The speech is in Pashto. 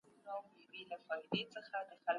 حضوري ټولګي زده کوونکي په ټولګي کي بوخت ساتل.